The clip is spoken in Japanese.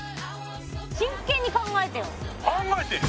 真剣に考えてよ！